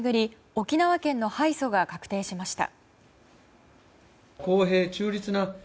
沖縄県の敗訴が確定しました。